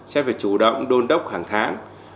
sẽ phải chủ động đôn đốc hàng tháng